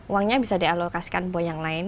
uangnya bisa dialokasikan buat yang lain